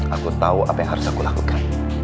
aku tahu apa yang harus aku lakukan